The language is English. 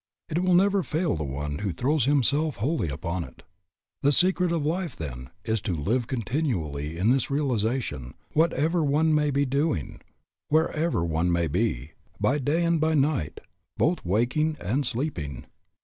It will never fail the one who throws himself wholly upon it. The secret of life then, is to live continually in this realization, whatever one may be doing, wherever one may be, by day and by night, both waking and sleeping.